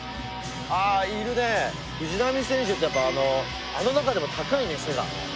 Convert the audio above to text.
藤浪選手ってやっぱあの中でも高いね背が。